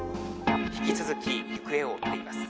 「引き続き行方を追っています」。